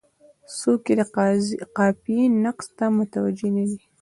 څوک یې د قافیې نقص ته متوجه نه دي.